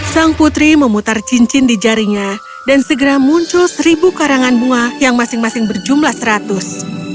sang putri memutar cincin di jarinya dan segera muncul seribu karangan bunga yang masing masing berjumlah seratus